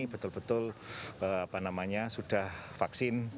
jadi betul betul sudah vaksin